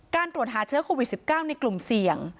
ตรวจหาเชื้อโควิด๑๙ในกลุ่มเสี่ยง